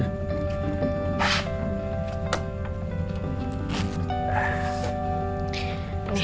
itu milik gue kan